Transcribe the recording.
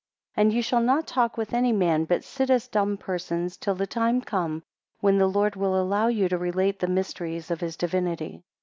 3 And ye shall not talk with any man, but sit as dumb persons till the time come when the Lord will allow you to relate the mysteries of his divinity.